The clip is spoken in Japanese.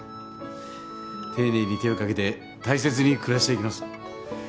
丁寧に手をかけて大切に暮らしていきます